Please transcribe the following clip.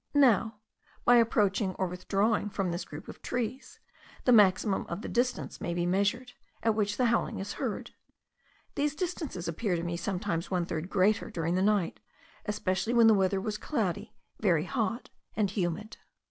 Now, by approaching or withdrawing from this group of trees, the maximum of the distance may be measured, at which the howling is heard. These distances appeared to me sometimes one third greater during the night, especially when the weather was cloudy, very hot, and humid.